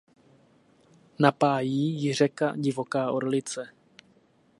Napájí ji řeka Divoká Orlice.